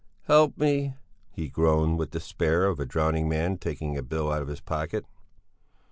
"Help me," he groaned, with the despair of a drowning man, taking a bill out of his pocket.